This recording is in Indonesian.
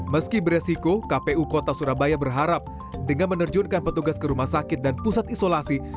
meski beresiko kpu kota surabaya berharap dengan menerjunkan petugas ke rumah sakit dan pusat isolasi